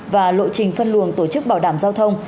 và lộ trình phân luồng tổ chức bảo đảm giao thông